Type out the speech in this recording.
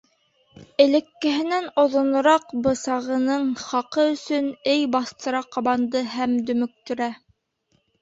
Элеккеһенән оҙонораҡ бысағының хаҡы өсөн, эй, баҫтыра ҡабанды һәм дөмөктөрә.